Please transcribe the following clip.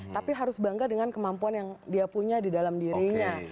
tapi harus bangga dengan kemampuan yang dia punya di dalam dirinya